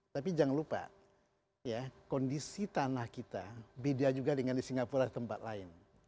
tapi jangan lupa kondisi tanah kita beda juga dengan di singapura di tempat lain